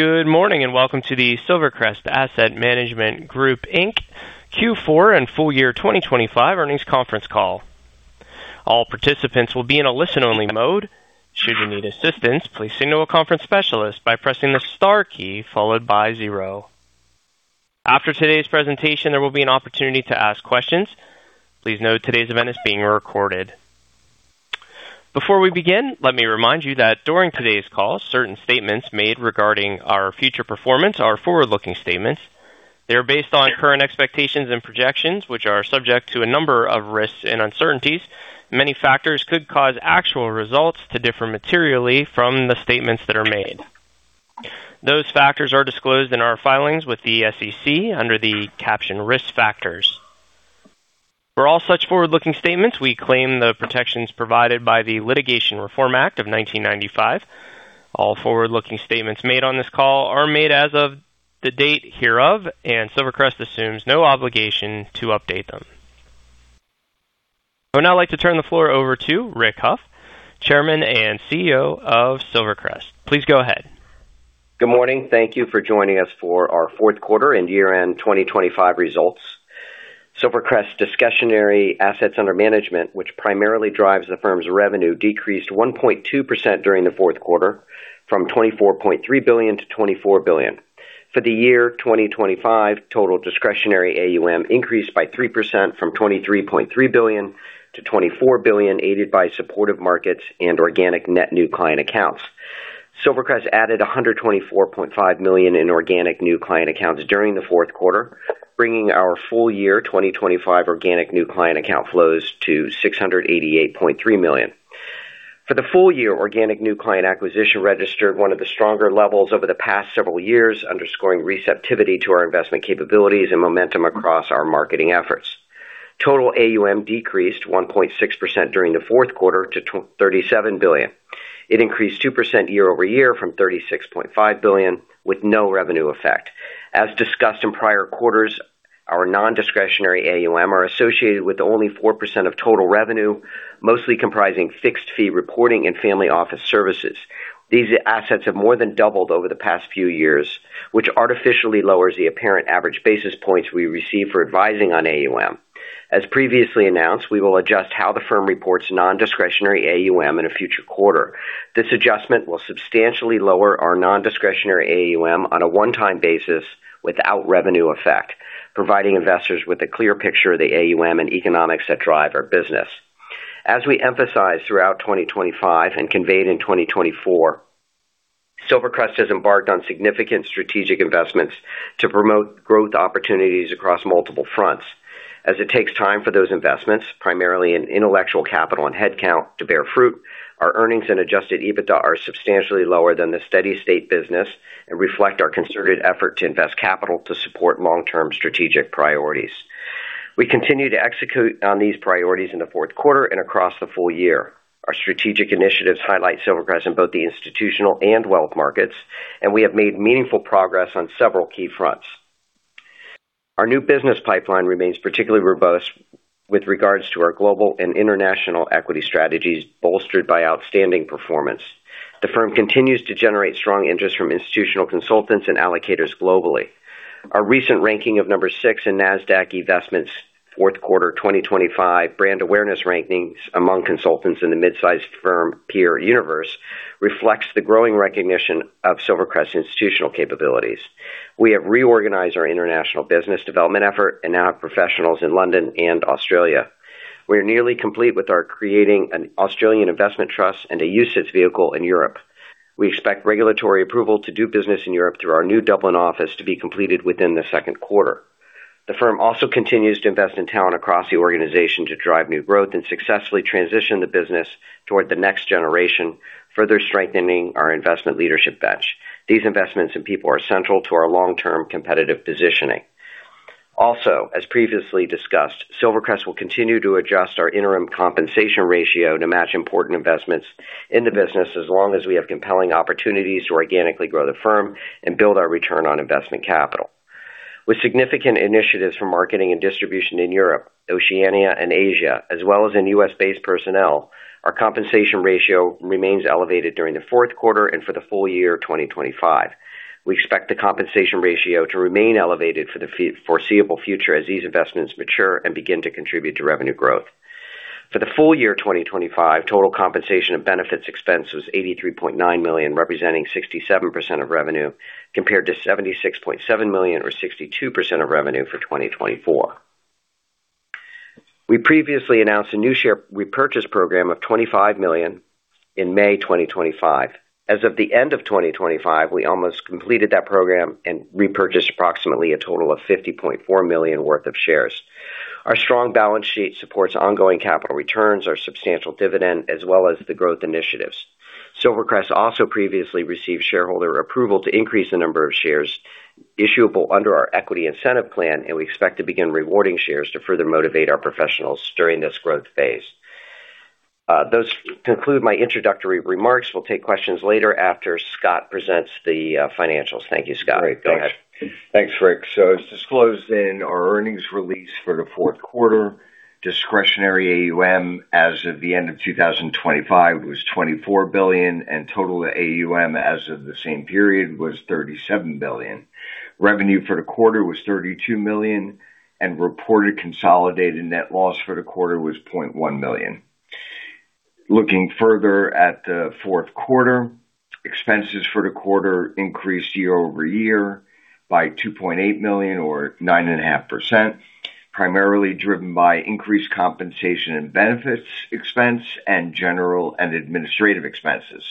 Good morning, and welcome to the Silvercrest Asset Management Group Inc. Q4 and full year 2025 earnings conference call. All participants will be in a listen-only mode. Should you need assistance, please signal a conference specialist by pressing the star key followed by zero. After today's presentation, there will be an opportunity to ask questions. Please note today's event is being recorded. Before we begin, let me remind you that during today's call, certain statements made regarding our future performance are forward-looking statements. They are based on current expectations and projections, which are subject to a number of risks and uncertainties. Many factors could cause actual results to differ materially from the statements that are made. Those factors are disclosed in our filings with the SEC under the caption Risk Factors. For all such forward-looking statements, we claim the protections provided by the Private Securities Litigation Reform Act of 1995. All forward-looking statements made on this call are made as of the date hereof, and Silvercrest assumes no obligation to update them. I would now like to turn the floor over to Rick Hough, Chairman and CEO of Silvercrest. Please go ahead. Good morning. Thank you for joining us for our Q4and year-end 2025 results. Silvercrest's discretionary assets under management, which primarily drives the firm's revenue, decreased 1.2% during the Q4 from $24.3 billion-$24 billion. For the year 2025, total discretionary AUM increased by 3% from $23.3 billion-$24 billion, aided by supportive markets and organic net new client accounts. Silvercrest added $124.5 million in organic new client accounts during the Q4, bringing our full year 2025 organic new client account flows to $688.3 million. For the full year, organic new client acquisition registered one of the stronger levels over the past several years, underscoring receptivity to our investment capabilities and momentum across our marketing efforts. Total AUM decreased 1.6% during the Q4 to $37 billion. It increased 2% year-over-year from $36.5 billion with no revenue effect. As discussed in prior quarters, our non-discretionary AUM are associated with only 4% of total revenue, mostly comprising fixed fee reporting and family office services. These assets have more than doubled over the past few years, which artificially lowers the apparent average basis points we receive for advising on AUM. As previously announced, we will adjust how the firm reports non-discretionary AUM in a future quarter. This adjustment will substantially lower our non-discretionary AUM on a one-time basis without revenue effect, providing investors with a clear picture of the AUM and economics that drive our business. As we emphasized throughout 2025 and conveyed in 2024, Silvercrest has embarked on significant strategic investments to promote growth opportunities across multiple fronts. As it takes time for those investments, primarily in intellectual capital and headcount to bear fruit, our earnings and adjusted EBITDA are substantially lower than the steady-state business and reflect our concerted effort to invest capital to support long-term strategic priorities. We continue to execute on these priorities in the Q4 and across the full year. Our strategic initiatives highlight Silvercrest in both the institutional and wealth markets, and we have made meaningful progress on several key fronts. Our new business pipeline remains particularly robust with regards to our global and international equity strategies, bolstered by outstanding performance. The firm continues to generate strong interest from institutional consultants and allocators globally. Our recent ranking of 6 in Nasdaq eVestment's Q4 2025 brand awareness rankings among consultants in the mid-sized firm peer universe reflects the growing recognition of Silvercrest's institutional capabilities. We have reorganized our international business development effort and now have professionals in London and Australia. We are nearly complete with our creating an Australian investment trust and a UCITS vehicle in Europe. We expect regulatory approval to do business in Europe through our new Dublin office to be completed within the Q2. The firm also continues to invest in talent across the organization to drive new growth and successfully transition the business toward the next generation, further strengthening our investment leadership bench. These investments in people are central to our long-term competitive positioning. Also, as previously discussed, Silvercrest will continue to adjust our interim compensation ratio to match important investments in the business as long as we have compelling opportunities to organically grow the firm and build our return on investment capital. With significant initiatives for marketing and distribution in Europe, Oceania and Asia, as well as in U.S.-based personnel, our compensation ratio remains elevated during the Q4 and for the full year 2025. We expect the compensation ratio to remain elevated for the foreseeable future as these investments mature and begin to contribute to revenue growth. For the full year 2025, total compensation and benefits expense was $83.9 million, representing 67% of revenue, compared to $76.7 million or 62% of revenue for 2024. We previously announced a new share repurchase program of $25 million in May 2025. As of the end of 2025, we almost completed that program and repurchased approximately a total of $50.4 million worth of shares. Our strong balance sheet supports ongoing capital returns, our substantial dividend as well as the growth initiatives. Silvercrest also previously received shareholder approval to increase the number of shares issuable under our equity incentive plan, and we expect to begin rewarding shares to further motivate our professionals during this growth phase. Those conclude my introductory remarks. We'll take questions later after Scott presents the financials. Thank you. Scott, go ahead. Great. Thanks. Thanks, Rick. As disclosed in our earnings release for the Q4. Discretionary AUM as of the end of 2025 was $24 billion, and total AUM as of the same period was $37 billion. Revenue for the quarter was $32 million, and reported consolidated net loss for the quarter was $0.1 million. Looking further at the Q4, expenses for the quarter increased year-over-year by $2.8 million or 9.5%, primarily driven by increased compensation and benefits expense and general and administrative expenses.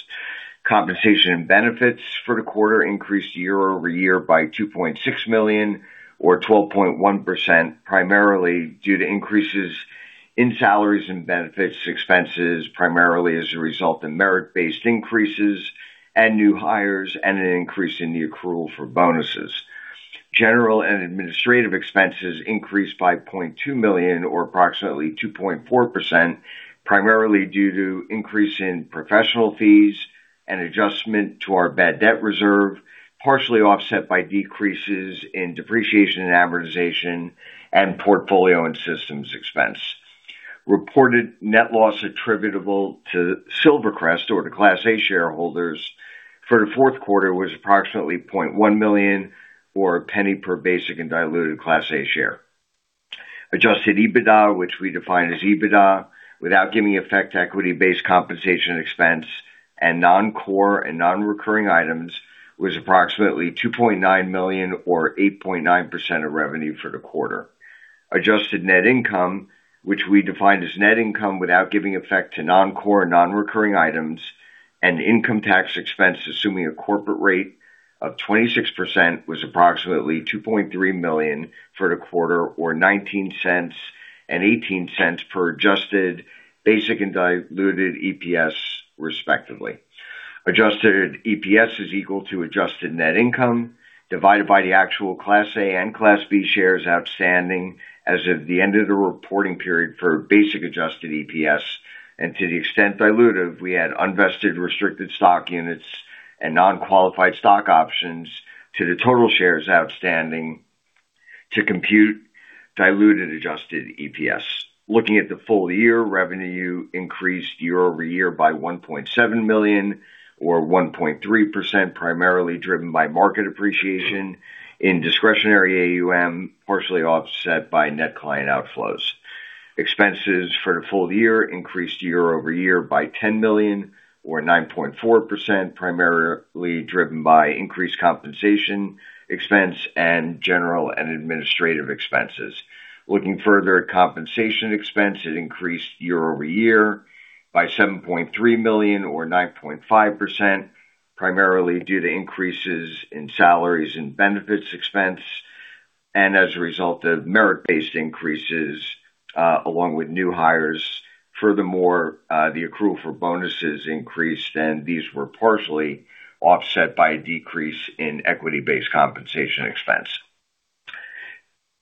Compensation and benefits for the quarter increased year-over-year by $2.6 million or 12.1%, primarily due to increases in salaries and benefits expenses, primarily as a result of merit-based increases and new hires and an increase in the accrual for bonuses. General and administrative expenses increased by $0.2 million or approximately 2.4%, primarily due to increase in professional fees and adjustment to our bad debt reserve, partially offset by decreases in depreciation and amortization and portfolio and systems expense. Reported net loss attributable to Silvercrest or to Class A shareholders for the Q4 was approximately $0.1 million or $0.01 per basic and diluted Class A share. Adjusted EBITDA, which we define as EBITDA without giving effect to equity-based compensation expense and non-core and non-recurring items, was approximately $2.9 million or 8.9% of revenue for the quarter. Adjusted net income, which we define as net income without giving effect to non-core and non-recurring items and income tax expense, assuming a corporate rate of 26%, was approximately $2.3 million for the quarter or $0.19 and $0.18 per adjusted basic and diluted EPS, respectively. Adjusted EPS is equal to adjusted net income divided by the actual Class A and Class B shares outstanding as of the end of the reporting period for basic adjusted EPS. To the extent dilutive, we add unvested restricted stock units and non-qualified stock options to the total shares outstanding to compute diluted adjusted EPS. Looking at the full year, revenue increased year-over-year by $1.7 million or 1.3%, primarily driven by market appreciation in discretionary AUM, partially offset by net client outflows. Expenses for the full year increased year-over-year by $10 million or 9.4%, primarily driven by increased compensation expense and general and administrative expenses. Looking further at compensation expense, it increased year-over-year by $7.3 million or 9.5%, primarily due to increases in salaries and benefits expense and as a result of merit-based increases, along with new hires. Furthermore, the accrual for bonuses increased, and these were partially offset by a decrease in equity-based compensation expense.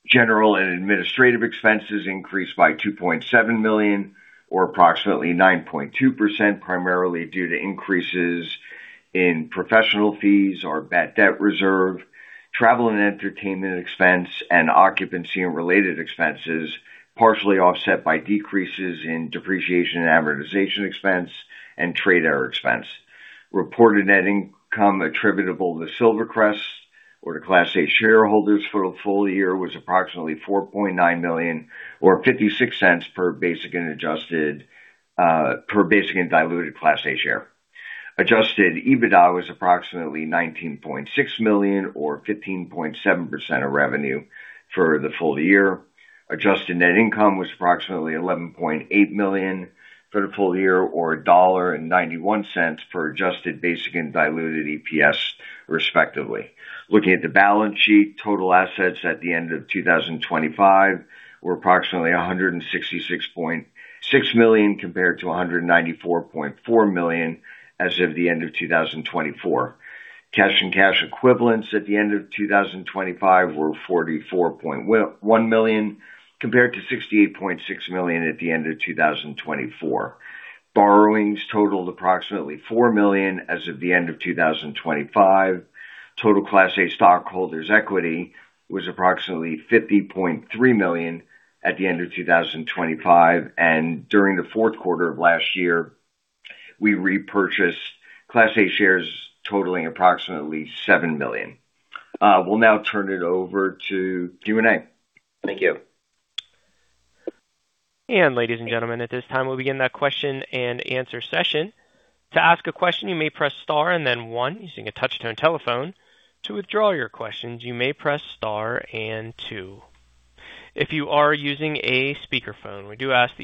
General and administrative expenses increased by $2.7 million or approximately 9.2%, primarily due to increases in professional fees or bad debt reserve, travel and entertainment expense, and occupancy and related expenses, partially offset by decreases in depreciation and amortization expense and trade error expense. Reported net income attributable to Silvercrest or to Class A shareholders for the full year was approximately $4.9 million or $0.56 per basic and diluted Class A share. Adjusted EBITDA was approximately $19.6 million or 15.7% of revenue for the full year. Adjusted net income was approximately $11.8 million for the full year or $1.91 per adjusted basic and diluted EPS, respectively. Looking at the balance sheet, total assets at the end of 2025 were approximately $166.6 million compared to $194.4 million as of the end of 2024. Cash and cash equivalents at the end of 2025 were $44.1 million compared to $68.6 million at the end of 2024. Borrowings totaled approximately $4 million as of the end of 2025. Total Class A stockholders equity was approximately $50.3 million at the end of 2025. During the Q4 of last year, we repurchased Class A shares totaling approximately $7 million. We'll now turn it over to Q&A. Thank you. Ladies and gentlemen, at this time, we'll begin that question-and-answer session. To ask a question, you may press star and then one using a touch-tone telephone. To withdraw your questions, you may press star and two. If you are using a speakerphone, we ask that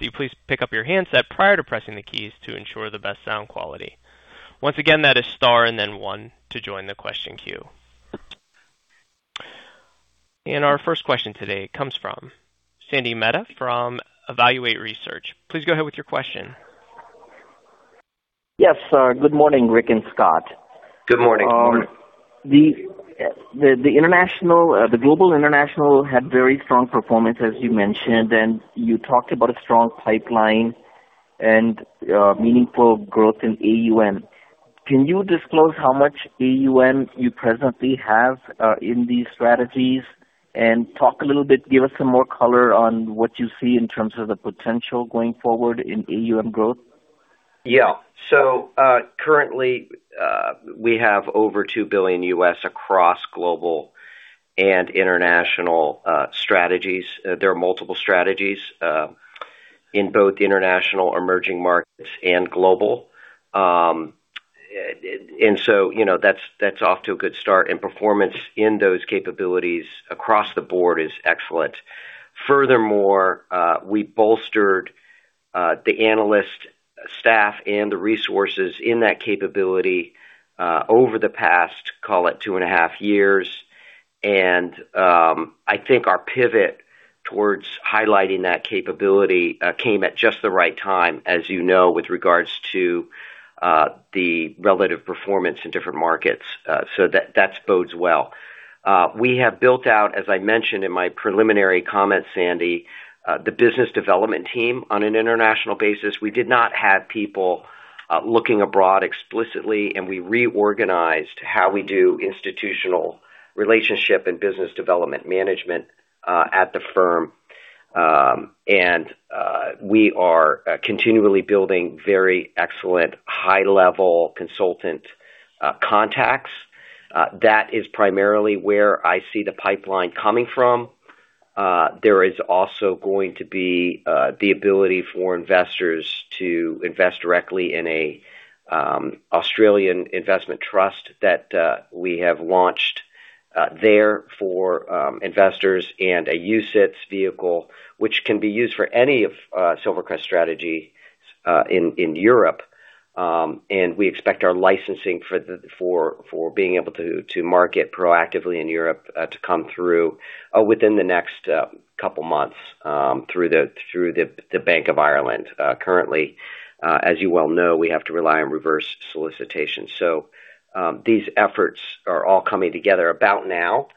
you please pick up your handset prior to pressing the keys to ensure the best sound quality. Once again, that is * and then one to join the question queue. Our first question today comes from Sandy Mehta from Evaluate Research. Please go ahead with your question. Yes, good morning, Rick and Scott. Good morning. Good morning. The global international had very strong performance, as you mentioned, and you talked about a strong pipeline. Meaningful growth in AUM. Can you disclose how much AUM you presently have in these strategies? Talk a little bit, give us some more color on what you see in terms of the potential going forward in AUM growth. Yeah. Currently, we have over $2 billion across global and international strategies. There are multiple strategies in both international emerging markets and global. You know, that's off to a good start. Performance in those capabilities across the board is excellent. Furthermore, we bolstered the analyst staff and the resources in that capability over the past, call it two and a half years. I think our pivot towards highlighting that capability came at just the right time, as you know, with regards to the relative performance in different markets. That bodes well. We have built out, as I mentioned in my preliminary comments, Sandy, the business development team on an international basis. We did not have people looking abroad explicitly, and we reorganized how we do institutional relationship and business development management at the firm. We are continually building very excellent high-level consultant contacts. That is primarily where I see the pipeline coming from. There is also going to be the ability for investors to invest directly in an Australian investment trust that we have launched there for investors and a UCITS vehicle, which can be used for any of Silvercrest strategies in Europe. We expect our licensing for being able to market proactively in Europe to come through within the next couple months through the Central Bank of Ireland. Currently, as you well know, we have to rely on reverse solicitation. These efforts are all coming together about now.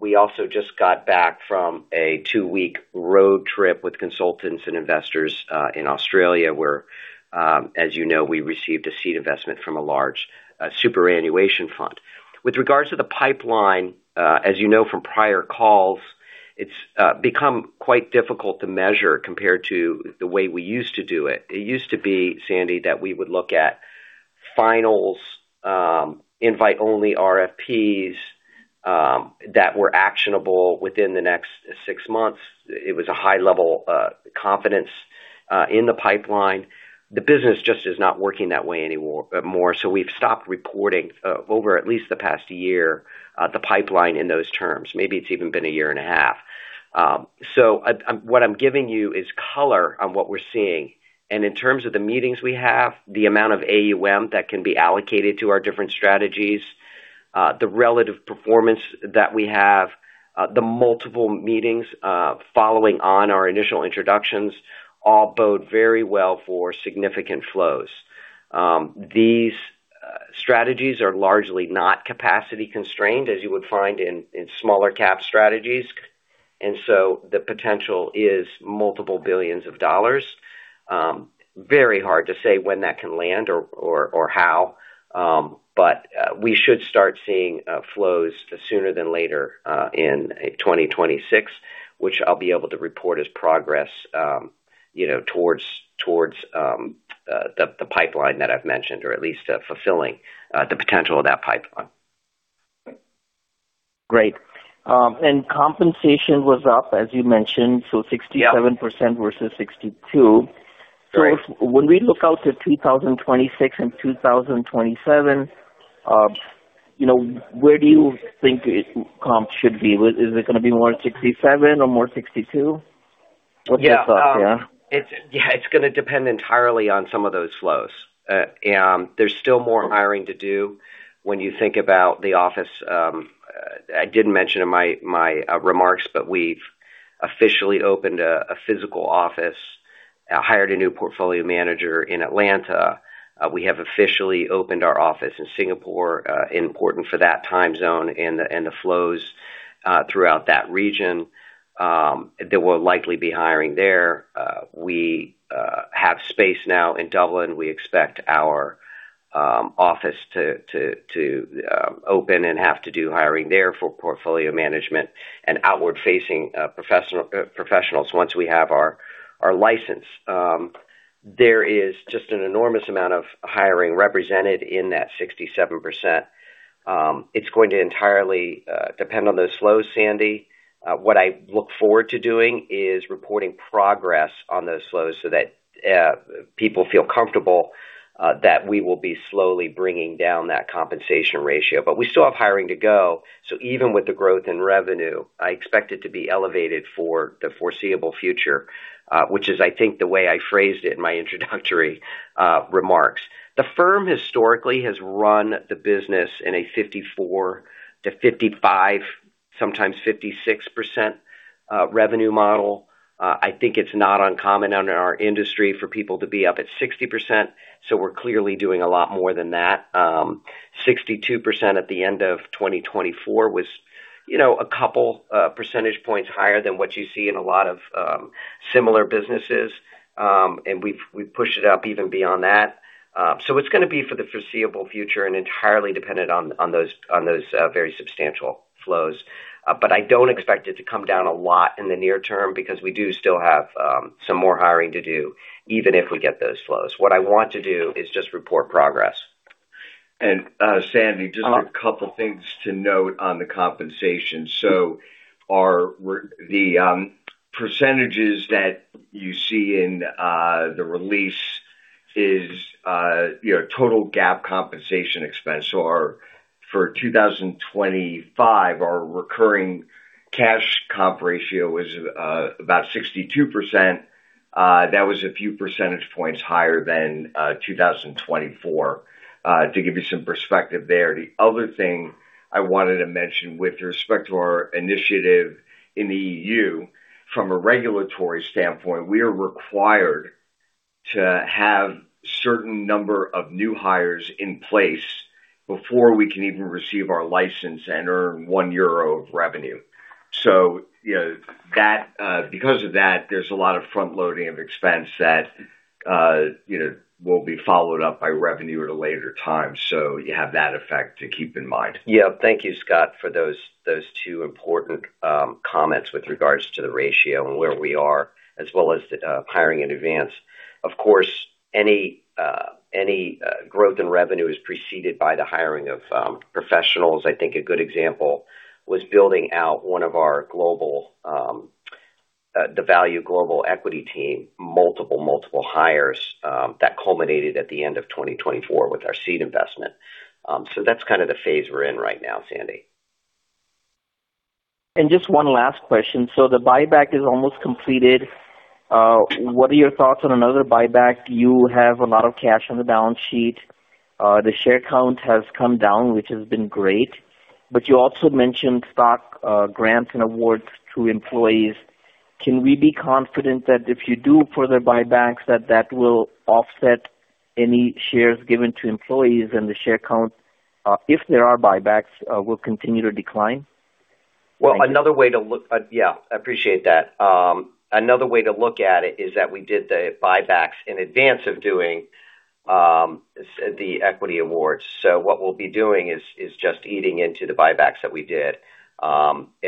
We also just got back from a 2-week road trip with consultants and investors in Australia, where, as you know, we received a seed investment from a large superannuation fund. With regards to the pipeline, as you know from prior calls, it's become quite difficult to measure compared to the way we used to do it. It used to be, Sandy, that we would look at finals, invite only RFPs, that were actionable within the next 6 months. It was a high level confidence in the pipeline. The business just is not working that way anymore, more so we've stopped reporting, over at least the past year, the pipeline in those terms. Maybe it's even been a year and a half. What I'm giving you is color on what we're seeing. In terms of the meetings we have, the amount of AUM that can be allocated to our different strategies, the relative performance that we have, the multiple meetings, following on our initial introductions all bode very well for significant flows. These strategies are largely not capacity constrained as you would find in smaller cap strategies. The potential is multiple billions of dollars. Very hard to say when that can land or how. We should start seeing flows sooner than later in 2026, which I'll be able to report as progress, you know, towards the pipeline that I've mentioned, or at least fulfilling the potential of that pipeline. Great. Compensation was up as you mentioned. Yeah. 67% versus 62%. Right. When we look out to 2026 and 2027, you know, where do you think it comp should be? Is it gonna be more 67 or more 62? What's your thought here? Yeah. It's gonna depend entirely on some of those flows. There's still more hiring to do when you think about the office. I didn't mention in my remarks, but we've officially opened a physical office, hired a new portfolio manager in Atlanta. We have officially opened our office in Singapore, important for that time zone and the flows throughout that region. There will likely be hiring there. We have space now in Dublin. We expect our office to open and have to do hiring there for portfolio management and outward facing professionals once we have our license. There is just an enormous amount of hiring represented in that 67%. It's going to entirely depend on those flows, Sandy. What I look forward to doing is reporting progress on those flows so that people feel comfortable that we will be slowly bringing down that compensation ratio. We still have hiring to go, so even with the growth in revenue, I expect it to be elevated for the foreseeable future, which is I think the way I phrased it in my introductory remarks. The firm historically has run the business in a 54%-55%, sometimes 56%, revenue model. I think it's not uncommon under our industry for people to be up at 60%, so we're clearly doing a lot more than that. 62% at the end of 2024 was, you know, a couple percentage points higher than what you see in a lot of similar businesses. We've pushed it up even beyond that. It's gonna be for the foreseeable future and entirely dependent on those very substantial flows. I don't expect it to come down a lot in the near term because we do still have some more hiring to do even if we get those flows. What I want to do is just report progress. Sandy, just a couple things to note on the compensation. The percentages that you see in the release are you know total GAAP compensation expense. For 2025, our recurring cash comp ratio was about 62%. That was a few percentage points higher than 2024 to give you some perspective there. The other thing I wanted to mention with respect to our initiative in the E.U. From a regulatory standpoint, we are required to have certain number of new hires in place before we can even receive our license and earn 1 euro of revenue. You know that because of that, there's a lot of front loading of expense that you know will be followed up by revenue at a later time. You have that effect to keep in mind. Yeah. Thank you, Scott, for those two important comments with regards to the ratio and where we are as well as the hiring in advance. Of course, any growth in revenue is preceded by the hiring of professionals. I think a good example was building out one of our value global equity team, multiple hires that culminated at the end of 2024 with our seed investment. That's kind of the phase we're in right now, Sandy. Just one last question. The buyback is almost completed. What are your thoughts on another buyback? You have a lot of cash on the balance sheet. The share count has come down, which has been great, but you also mentioned stock grants and awards to employees. Can we be confident that if you do further buybacks, that will offset any shares given to employees and the share count, if there are buybacks, will continue to decline? Yeah, I appreciate that. Another way to look at it is that we did the buybacks in advance of doing the equity awards. What we'll be doing is just eating into the buybacks that we did,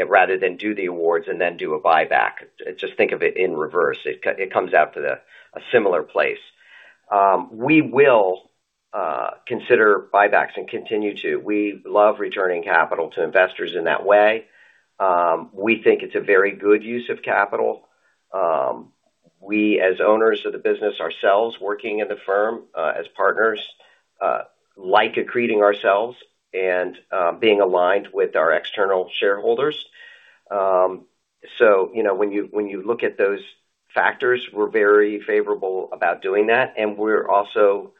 rather than do the awards and then do a buyback. Just think of it in reverse. It comes out to a similar place. We will consider buybacks and continue to. We love returning capital to investors in that way. We think it's a very good use of capital. We, as owners of the business ourselves, working in the firm, as partners, like accreting ourselves and being aligned with our external shareholders. You know, when you look at those factors, we're very favorable about doing that, and we're also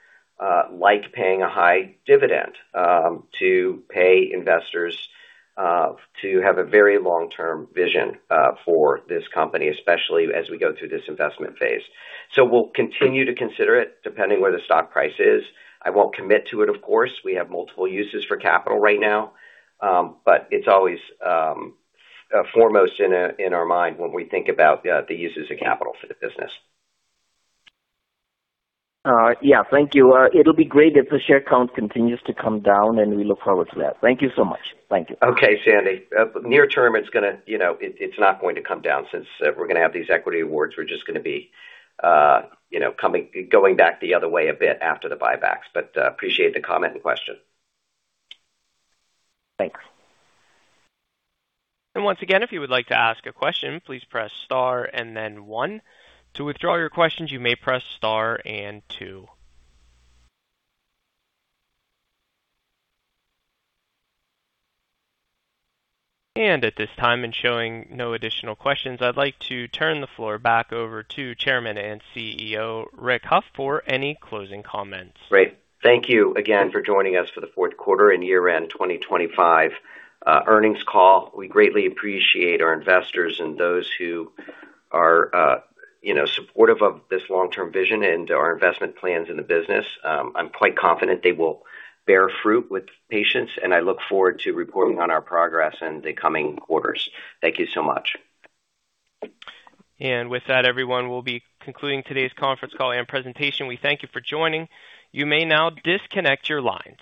like paying a high dividend to pay investors to have a very long-term vision for this company, especially as we go through this investment phase. We'll continue to consider it depending where the stock price is. I won't commit to it, of course. We have multiple uses for capital right now. It's always foremost in our mind when we think about the uses of capital for the business. All right. Yeah. Thank you. It'll be great if the share count continues to come down, and we look forward to that. Thank you so much. Thank you. Okay, Sandy. Near term, it's gonna. You know, it's not going to come down since we're gonna have these equity awards. We're just gonna be, you know, going back the other way a bit after the buybacks. Appreciate the comment and question. Thanks. Once again, if you would like to ask a question, please press star and then one. To withdraw your questions, you may press star and two. At this time, and showing no additional questions, I'd like to turn the floor back over to Chairman and CEO, Rick Hough, for any closing comments. Great. Thank you again for joining us for the Q4 and year-end 2025 earnings call. We greatly appreciate our investors and those who are, you know, supportive of this long-term vision and our investment plans in the business. I'm quite confident they will bear fruit with patience, and I look forward to reporting on our progress in the coming quarters. Thank you so much. With that, everyone, we'll be concluding today's conference call and presentation. We thank you for joining. You may now disconnect your lines.